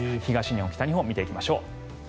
東日本、北日本見ていきましょう。